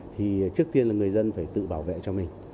thì trước tiên là người dân phải tự bảo vệ cho mình